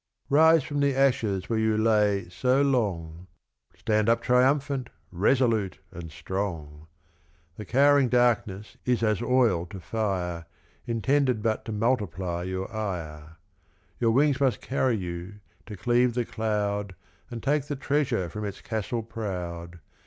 Rise from the ashes where you lay so long, Stand up triumphant, resolute, and strong. The cowering darkness is as oil to fire Intended but to multiply your ire, Your wings must carry you to cleave the cloud And take the treasure from its castle proud.